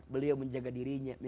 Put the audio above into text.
beliau menjaga dirinya